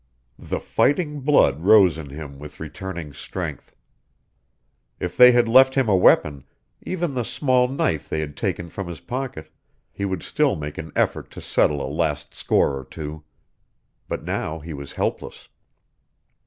The fighting blood rose in him with returning strength. If they had left him a weapon, even the small knife they had taken from his pocket, he would still make an effort to settle a last score or two. But now he was helpless.